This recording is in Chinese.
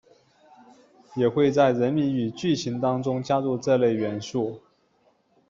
也会在人名与剧情当中加入这一类元素。